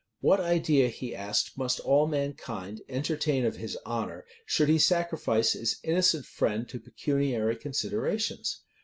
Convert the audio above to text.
What idea, he asked, must all mankind entertain of his honor, should he sacrifice his innocent friend to pecuniary considerations?